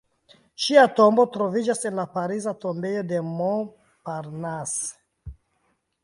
Ŝia tombo troviĝas en la Pariza Tombejo de Montparnasse.